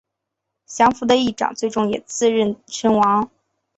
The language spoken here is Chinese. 降伏的义长最终也自刃身亡。